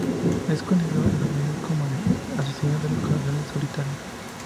Es conocido en los medios como "El Asesino de los Corazones Solitarios.